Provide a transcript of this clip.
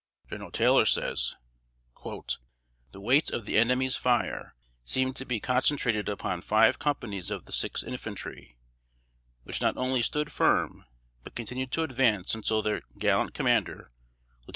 General Taylor says: "The weight of the enemy's fire seemed to be concentrated upon five companies of the 6th Infantry, which not only stood firm, but continued to advance until their gallant commander, Lieut.